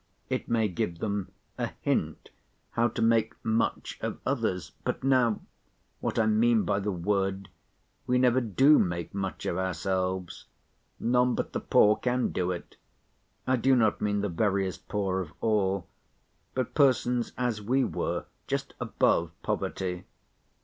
It may give them a hint how to make much of others. But now—what I mean by the word—we never do make much of ourselves. None but the poor can do it. I do not mean the veriest poor of all, but persons as we were, just above poverty.